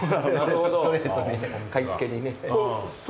ストレートに買い付けにね。